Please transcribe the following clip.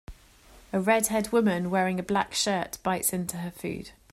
A redhead woman wearing a black shirt bites into her food.